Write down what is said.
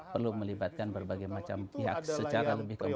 perlu melibatkan berbagai pihak secara lebih kompensif